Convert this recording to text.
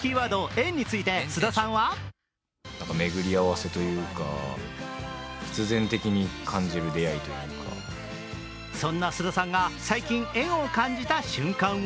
「縁」について菅田さんはそんな菅田さんが最近、縁を感じた瞬間を